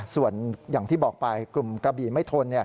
ส่วนอย่างที่บอกไปกลุ่มกระบี่ไม่ทน